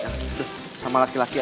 jangan udah sama laki laki aja ya